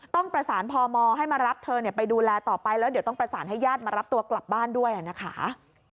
ต้องประสานพมให้มารับเธอไปดูแลต่อไปแล้วเดี๋ยวต้องประสานให้ญาติมารับตัวกลับบ้านด้วยนะคะ